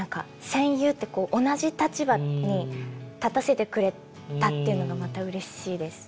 戦友ってこう同じ立場に立たせてくれたっていうのがまたうれしいです。